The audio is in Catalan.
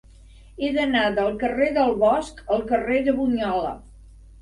He d'anar del carrer del Bosc al carrer de Bunyola.